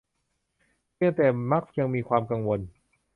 เพียงแต่มักยังมีความกังวล